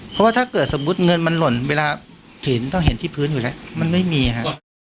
เพราะว่าถ้าเกิดสมมุติเงินมันหล่นเวลาถึงต้องเห็นที่พื้นอยู่แล้วมันไม่มีฮะ